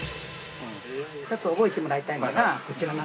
ちょっと覚えてもらいたいのがこちらなんですけど。